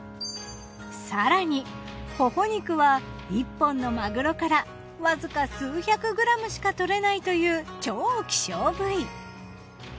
更にほほ肉は一本のマグロからわずか数百グラムしかとれないという超稀少部位。